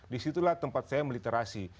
disitulah tempat saya meliterasi